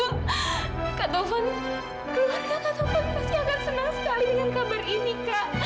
kak duven keluarga kak telepon pasti akan senang sekali dengan kabar ini kak